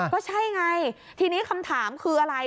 ก็ใช่ไงทีนี้คำถามคืออะไร